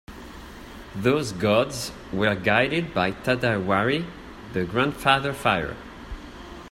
Those Gods were guided by Tatewari, the Grandfather Fire.